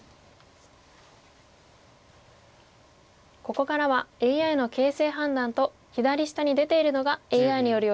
ここからはＡＩの形勢判断と左下に出ているのがＡＩによる予想手です。